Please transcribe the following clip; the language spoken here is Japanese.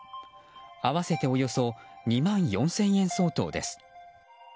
合わせておよそ２万４０００円相当です。